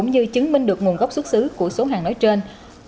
được nguồn gốc xuất xứ của số hàng nói trên